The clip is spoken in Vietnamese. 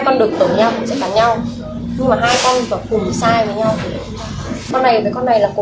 nhưng con này nó lại nhỏ hơn so với những con này